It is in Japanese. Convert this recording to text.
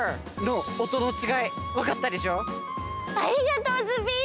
ありがとうズビー！